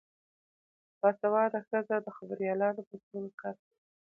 باسواده ښځې د خبریالانو په توګه کار کوي.